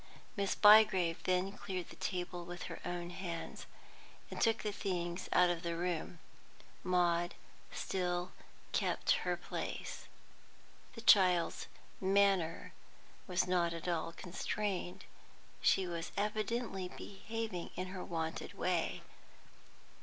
Miss Bygrave then cleared the table with her own hands, and took the things out of the room. Maud still kept her place. The child's manner was not at all constrained; she was evidently behaving in her wonted way.